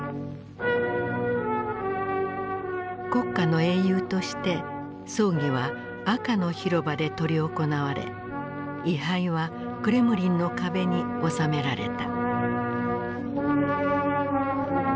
国家の英雄として葬儀は赤の広場で執り行われ遺灰はクレムリンの壁に納められた。